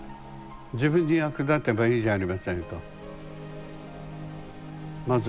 自分に役立てばいいじゃありませんか。